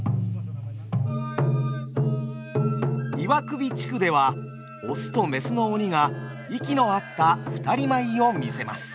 岩首地区では雄と雌の鬼が息の合った二人舞を見せます。